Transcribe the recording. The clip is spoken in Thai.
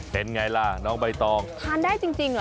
เป็นไงล่ะน้องใบตองทานได้จริงเหรอ